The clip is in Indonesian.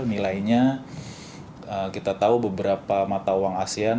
nilainya kita tahu beberapa mata uang asean